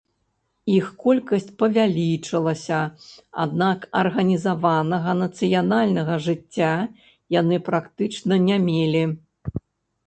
Іх колькасць павялічылася, аднак арганізаванага нацыянальнага жыцця яны практычна не мелі.